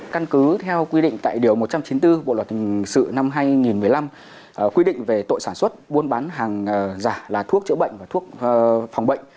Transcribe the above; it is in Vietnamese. căn cứ theo quy định tại điều một trăm chín mươi bốn bộ luật hình sự năm hai nghìn một mươi năm quy định về tội sản xuất buôn bán hàng giả là thuốc chữa bệnh và thuốc phòng bệnh